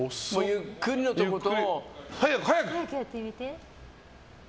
ゆっくりのとこと。